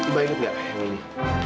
coba inget gak yang ini